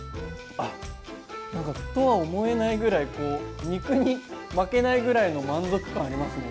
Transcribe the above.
何か麩とは思えないぐらい肉に負けないぐらいの満足感ありますね